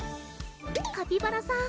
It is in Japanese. カピバラさん